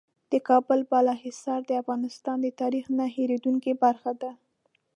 د کابل بالا حصار د افغانستان د تاریخ نه هېرېدونکې برخه ده.